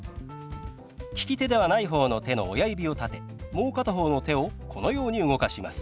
利き手ではない方の手の親指を立てもう片方の手をこのように動かします。